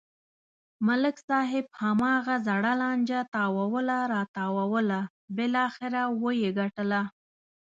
ملک صاحب هماغه زړه لانجه تاووله راتاووله بلاخره و یې گټله.